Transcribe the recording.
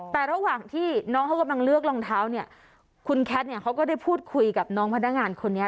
แต่ระหว่างที่น้องเขากำลังเลือกรองเท้าเนี่ยคุณแคทเนี่ยเขาก็ได้พูดคุยกับน้องพนักงานคนนี้